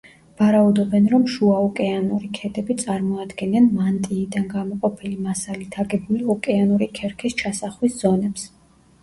ვარაუდობენ, რომ შუაოკეანური ქედები წარმოადგენენ მანტიიდან გამოყოფილი მასალით აგებული ოკეანური ქერქის ჩასახვის ზონებს.